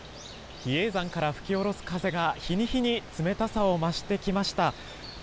比叡山から吹き下ろす風が日に日に冷たさを増してきました。